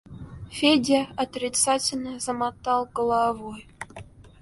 Федя отрицательно замотал головой.